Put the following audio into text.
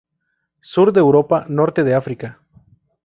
Sur de Europa, Norte de África.